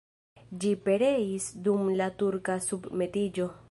Ĝi pereis dum la turka submetiĝo.